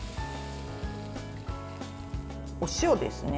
お塩ですね。